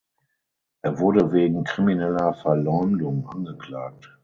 Er wurde wegen krimineller Verleumdung angeklagt.